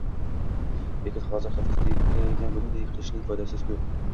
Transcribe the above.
— Lekin hozir qafasdaligingda bunday qilishing foydasiz-ku